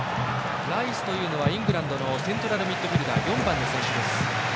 ライスはイングランドのセントラルミッドフィールダー４番の選手。